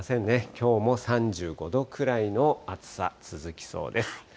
きょうも３５度くらいの暑さ、続きそうです。